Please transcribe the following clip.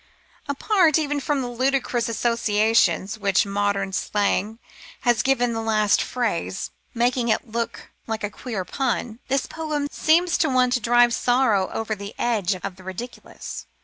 Apart even from the ludicrous associations which modern slang has given the last phrase, making it look like a queer pun, this poem seems to one to drive sorrow over the edge of the ridiculous.